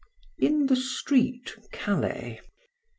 IN THE STREET. CALAIS.